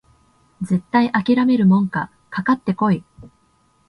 絶対あきらめるもんかかかってこい！